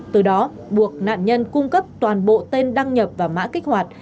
từ đó buộc nạn nhân cung cấp toàn bộ tên đăng nhập và mã kích hoạt